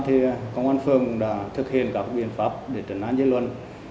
thì công an phường đã thực hiện các biện pháp để trận án dư luận